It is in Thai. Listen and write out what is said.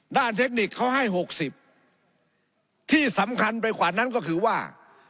เทคนิคเขาให้๖๐ที่สำคัญไปกว่านั้นก็คือว่า